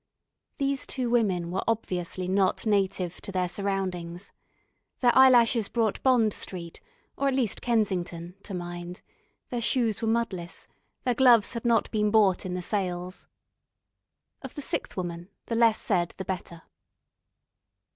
These two women were obviously not native to their surroundings. Their eyelashes brought Bond Street or at least Kensington to mind; their shoes were mudless; their gloves had not been bought in the sales. Of the sixth woman the less said the better.